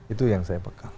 itu yang saya bekal